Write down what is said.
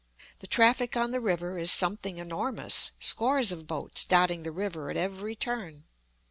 The traffic on the river is something enormous, scores of boats dotting the river at every turn.